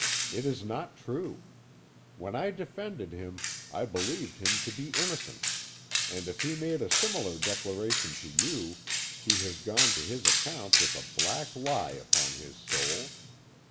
It is not true. When I defended him I believed him to be innocent; and if he made a similar declaration to you, he has gone to his account with a black lie upon his soul.